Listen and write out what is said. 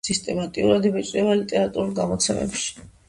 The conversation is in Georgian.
სისტემატიურად იბეჭდება ლიტერატურულ გამოცემებში.